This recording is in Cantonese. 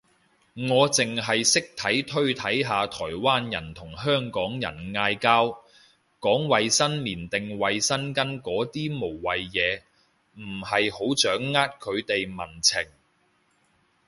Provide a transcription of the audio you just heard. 我剩係識睇推睇下台灣人同香港人嗌交，講衛生棉定衛生巾嗰啲無謂嘢，唔係好掌握佢哋民情